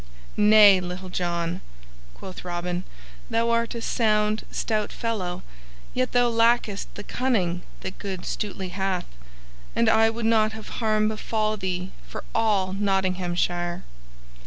"Nay, Little John," quoth Robin, "thou art a sound stout fellow, yet thou lackest the cunning that good Stutely hath, and I would not have harm befall thee for all Nottinghamshire.